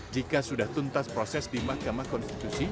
jika sudah tuntas proses di mahkamah konstitusi